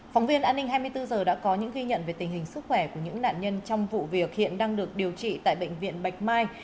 phóng viên an ninh hai mươi bốn h đã có những ghi nhận về tình hình sức khỏe của những nạn nhân trong vụ việc hiện đang được điều trị tại bệnh viện bạch mai